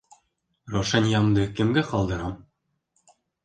Раушаниямды кемгә ҡалдырам?!